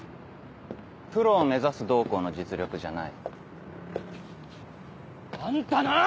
プロを目指すどうこうの実力じゃない。あんたなぁ！